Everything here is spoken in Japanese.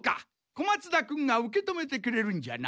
小松田君が受け止めてくれるんじゃな。